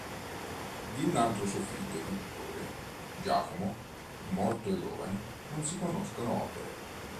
Di un altro suo figlio pittore, Giacomo, morto giovane, non si conoscono opere.